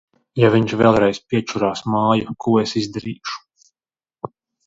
Ja viņš vēlreiz piečurās māju, ko es izdarīšu?